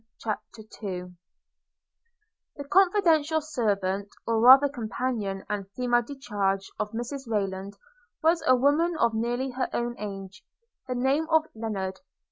CHAPTER II THE confidential servant, or rather companion and femme de charge, of Mrs Rayland, was a woman of nearly her own age, of the name of Lennard.